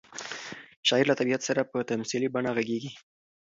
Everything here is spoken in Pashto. شاعر له طبیعت سره په تمثیلي بڼه غږېږي.